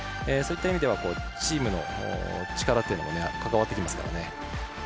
そういった意味ではチームの力というのも関わってきますからね。